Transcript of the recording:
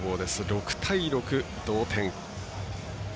６対６、同点。